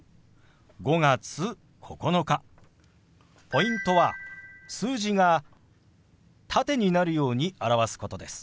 ポイントは数字が縦になるように表すことです。